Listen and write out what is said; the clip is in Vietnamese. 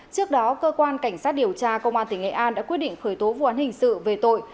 trước đó cơ quan cảnh sát điều tra công an tỉnh nghệ an đã quyết định khởi tố vụ án hình sự về tội